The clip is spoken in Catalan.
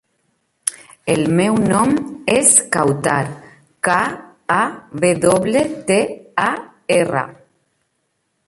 El meu nom és Kawtar: ca, a, ve doble, te, a, erra.